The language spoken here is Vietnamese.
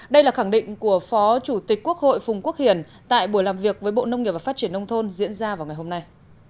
đây là khẳng định của phó chủ tịch quốc hội phùng quốc hiển tại buổi làm việc với bộ nông nghiệp và phát triển nông thôn diễn ra vào ngày hôm nay